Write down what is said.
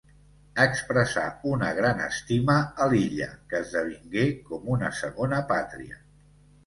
Expressà una gran estima a l'illa, que esdevingué com una segona pàtria.